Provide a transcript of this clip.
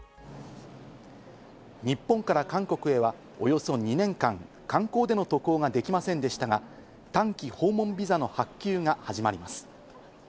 日本から韓国へはおよそ２年間、観光での渡航ができませんでしたが、短期訪問ビザの発給が始まります。